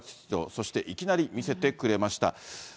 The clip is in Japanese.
そして、いきなり見せてくれました。